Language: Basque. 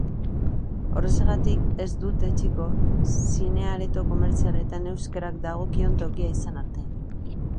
Horrexegatik, ez dute etsiko zine-areto komertzialetan euskarak dagokion tokia izan arte.